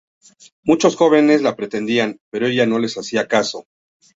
Muchos jóvenes la pretendían, pero ella no les hacía caso.